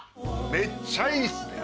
めっちゃいいですね。